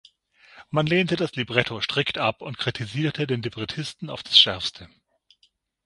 Man lehnte das Libretto strikt ab und kritisierte den Librettisten auf das Schärfste.